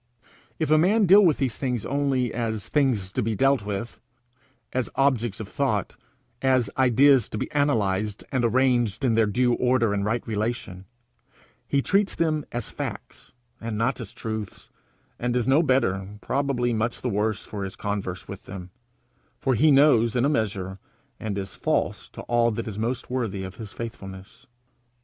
If a man deal with these things only as things to be dealt with, as objects of thought, as ideas to be analysed and arranged in their due order and right relation, he treats them as facts and not as truths, and is no better, probably much the worse, for his converse with them, for he knows in a measure, and is false to all that is most worthy of his faithfulness.